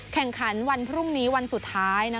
แข่งขันวันพรุ่งนี้วันสุดท้าย